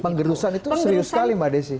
penggerusan itu serius sekali mbak desi